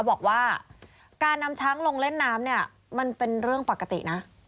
บอกว่าการนำช้างลงเล่นน้ำเนี่ยมันเป็นเรื่องปกตินะ